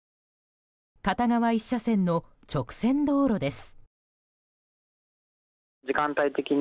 片側１車線の直線道路です。